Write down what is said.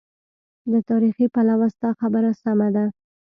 له تاریخي پلوه ستا خبره سمه ده.